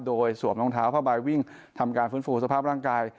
โดยสวมรองเท้าผ้าใบวิ่งทำการฟื้นฟูสภาพร่างกาย